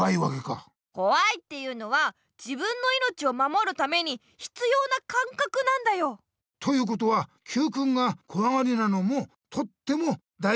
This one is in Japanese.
こわいっていうのは自分の命を守るために必要な感覚なんだよ。ということはＱくんがこわがりなのもとってもだいじなことなんだな！